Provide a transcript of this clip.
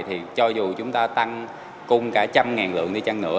thì cho dù chúng ta tăng cung cả một trăm linh lượng đi chăng nữa